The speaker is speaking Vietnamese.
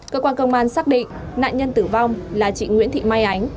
cơ quan công an xác định nạn nhân tử vong là chị nguyễn thị mai ánh